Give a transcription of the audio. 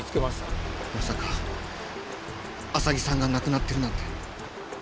まさか浅木さんが亡くなってるなんて。